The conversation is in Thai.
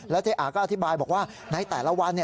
เจ๊อาก็อธิบายบอกว่าในแต่ละวัน